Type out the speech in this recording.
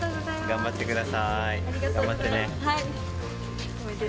頑張ってください。